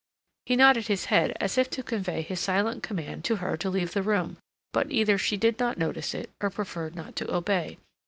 He nodded his head, as if to convey his silent command to her to leave the room; but either she did not notice it or preferred not to obey.